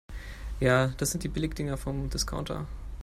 Ja, das sind Billigdinger vom Discounter.